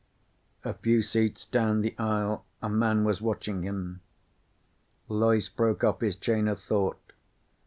A few seats down the aisle a man was watching him. Loyce broke off his chain of thought.